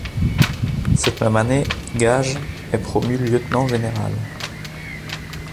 Cette même année, Gage est promu lieutenant général.